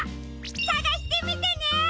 さがしてみてね！